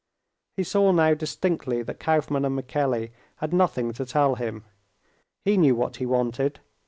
He saw now distinctly that Kauffmann and Michelli had nothing to tell him. He knew what he wanted.